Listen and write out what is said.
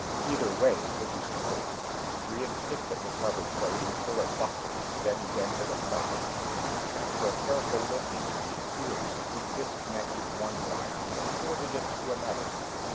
Either way, it was cold. Brion kicked at the cover plate until it buckled, then bent it aside. After a careful look into the interior he disconnected one wire and shorted it to another.